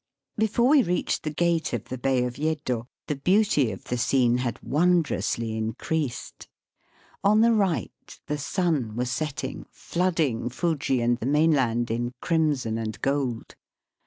Before we reached the gate of the Bay of Yedo, the beauty of the scene had wondrously Digitized by VjOOQIC 88 EAST BY WEST. increased. On the right the sun wad setting, flooding Fuji and the mainland in crimson and gold.